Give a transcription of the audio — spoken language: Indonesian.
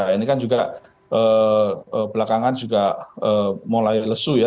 ini kan juga belakangan juga mulai lesu ya